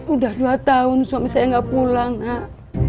udah dua tahun suami saya nggak pulang nak